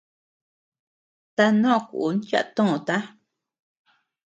Tanoʼö kun yaʼa töota.